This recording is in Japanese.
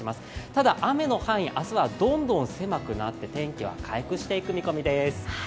ただ雨の範囲、明日はどんどん狭くなって、天気は回復していく見込みです。